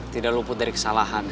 tidak luput dari kesalahan